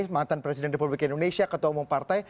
mantan presiden republik indonesia ketua umum partai